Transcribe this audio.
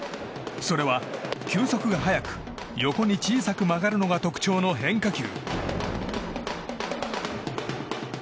それは、球速が速く横に小さく曲がるのが特徴の変化球。